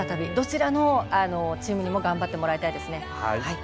どちらのチームにも頑張ってもらいたいですね。